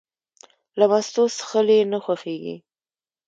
له مستو څښل یې نه خوښېږي.